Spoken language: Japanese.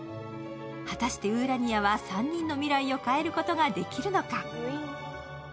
果たしてウーラニアは３人の未来を変えることができるのか。